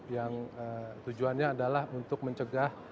yang tujuannya adalah untuk mencegah